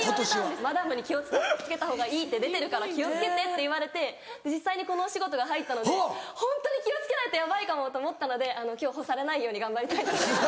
「マダムに気を付けたほうがいいって出てるから気を付けて」って言われて実際にこのお仕事が入ったのでホントに気を付けないとヤバいかもと思ったので今日干されないように頑張りたいと思います。